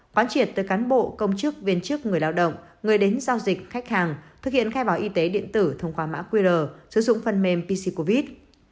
quán triệt tới cán bộ công chức viên chức người lao động người đến giao dịch khách hàng thực hiện khai báo y tế điện tử thông qua mã qr sử dụng phần mềm pc